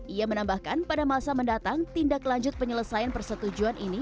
ia menambahkan pada masa mendatang tindak lanjut penyelesaian persetujuan ini